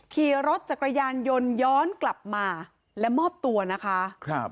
ขี่รถจักรยานยนต์ย้อนกลับมาและมอบตัวนะคะครับ